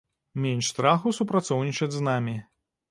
Менш страху супрацоўнічаць з намі.